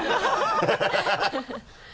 ハハハ